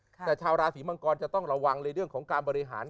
แต่ชาวราศีมังกรจะต้องระวังในเรื่องของการบริหาร